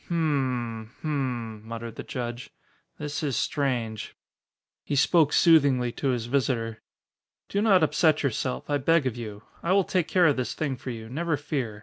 "Hm m hm m," muttered the judge, "this is strange." He spoke soothingly to his visitor. "Do not upset yourself, I beg of you. I will take care of this thing for you, never fear.